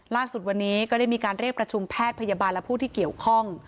ล่าสุดวันนี้ก็ได้มีการเรียกประชุมแพทย์พยาบาลและผู้ที่เกี่ยวข้อง